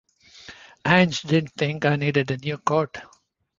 Ange didn’t think I needed a new coat.